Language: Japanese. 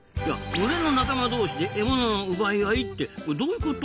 群れの仲間同士で獲物の奪い合いってどういうこと？